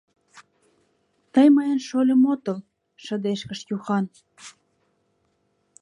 — Тый мыйын шольым отыл! — шыдешкыш Юхан.